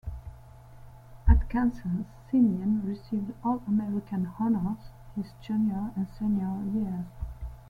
At Kansas, Simien received All-American honors his junior and senior years.